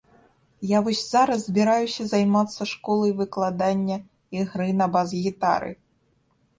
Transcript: Я вось зараз збіраюся займацца школай выкладання ігры на бас-гітары.